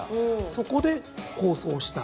そこで好走した。